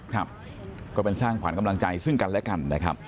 ครับก็เป็นช่างผลันกำลังใจซึ่งกันและกัน